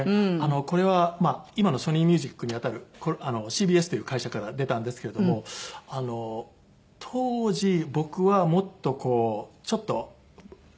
これは今のソニーミュージックにあたるＣＢＳという会社から出たんですけれども当時僕はもっとこうちょっと過激な音？